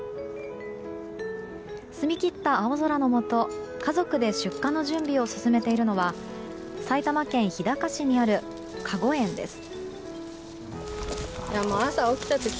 澄み切った青空のもと、家族で出荷の準備を進めているのは埼玉県日高市にある香胡園です。